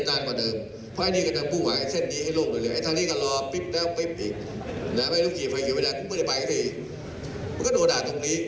ยังงั้นเค้า